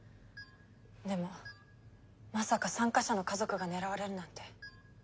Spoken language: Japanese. でもまさか参加者の家族が狙われるなんて。